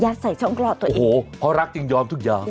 ใส่ช่องคลอดตัวเองโอ้โหเพราะรักจึงยอมทุกอย่าง